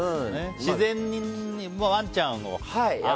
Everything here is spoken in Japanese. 自然にワンちゃんを。